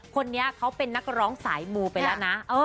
คนนี้เขาเป็นนักร้องสายมูไปแล้วนะ